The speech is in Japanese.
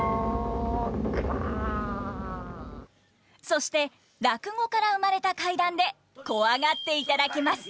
そして落語から生まれた怪談でコワがっていただきます。